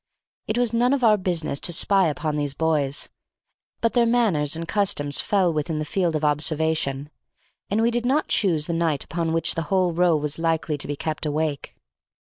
It was none of our business to spy upon these boys, but their manners and customs fell within the field of observation. And we did not choose the night upon which the whole row was likely to be kept awake.